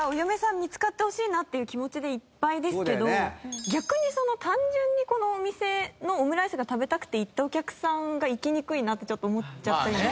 見つかってほしいなっていう気持ちでいっぱいですけど逆に単純にこのお店のオムライスが食べたくて行ったお客さんが行きにくいなってちょっと思っちゃったり。